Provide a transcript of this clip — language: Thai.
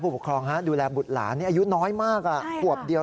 พี่เขาก็พึ่งไปแป๊บเดียว